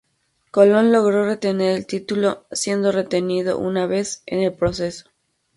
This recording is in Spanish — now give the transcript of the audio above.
Colón logró retener el título, siendo retenido una vez en el proceso.